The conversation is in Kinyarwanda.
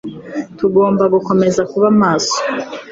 Tugomba gukomeza kuba maso.